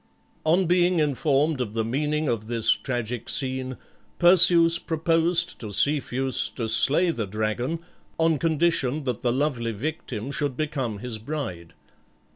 On being informed of the meaning of this tragic scene, Perseus proposed to Cepheus to slay the dragon, on condition that the lovely victim should become his bride.